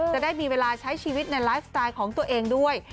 จะได้มีเวลาใช้ชีวิตในไลฟ์สไตล์ของตัวเองด้วย